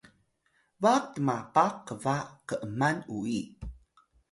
baq tmapaq qba k’man uyi